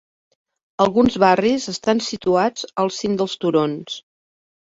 Alguns barris estan situats als cims dels turons.